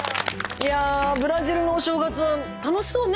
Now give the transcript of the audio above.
いやブラジルのお正月楽しそうね。